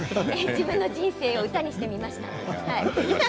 自分の人生を歌にしてみました。